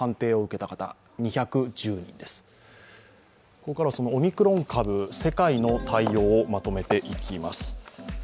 ここからはオミクロン株、世界の対応をまとめていきます。